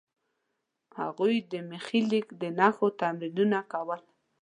هغوی د میخي لیک د نښو تمرینونه کول.